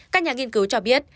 các nhà nghiên cứu cho biết